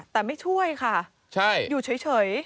แต่ไม่ช่วยค่ะอยู่เฉย